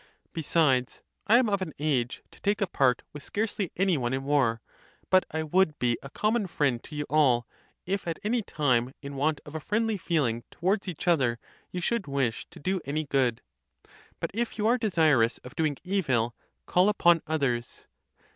Besides I am of an age to take a part with scarcely any one in war; but I would be a common friend to you all, if at any time in want of a friendly feeling towards each other you should wish to do any good; !but if you are desirous (of doing) evil,! call upon others.